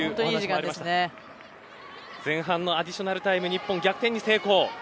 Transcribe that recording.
前半のアディショナルタイムで日本、逆転に成功。